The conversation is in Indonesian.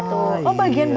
oh bagian bawah iya